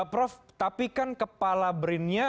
prof tapi kan kepala brin nya